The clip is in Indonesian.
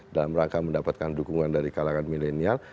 dalam rangka mendapatkan dukungan dari kalangan milenial